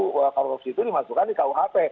korupsi itu dimasukkan di kuhp